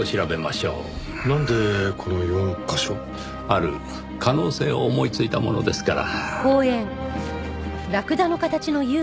なんでこの４カ所？ある可能性を思いついたものですから。